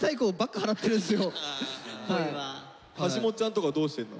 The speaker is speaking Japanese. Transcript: はしもっちゃんとかどうしてるの？